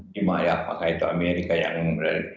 dimana apakah itu amerika yang membenar